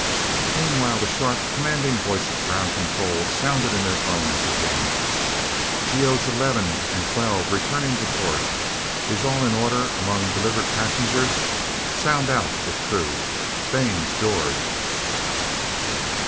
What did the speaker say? Meanwhile, the sharp, commanding voice of Ground Control sounded in their phones, again: "GOs 11 and 12 returning to port. Is all in order among delivered passengers? Sound out if true. Baines, George?..."